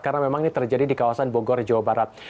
karena memang ini terjadi di kawasan bogor jawa barat